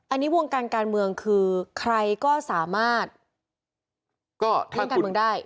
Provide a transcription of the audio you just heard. อันนี้วงการการเมืองคือใครก็สามารถทำการเมืองได้